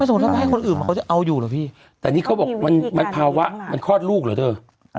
สมมุติถ้าให้คนอื่นเขาจะเอาอยู่เหรอพี่แต่นี่เขาบอกมันภาวะมันคลอดลูกเหรอเธอ